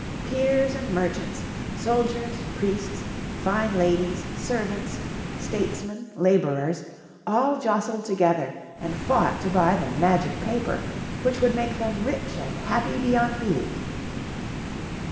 Peers and merchants, soldiers, priests, fine ladies, servants, statesmen, labourers, all jostled together, and fought to buy the magic paper which would make them rich and happy beyond belief.